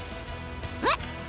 えっ？